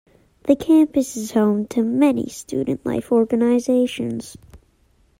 The campus is home to many student life organizations.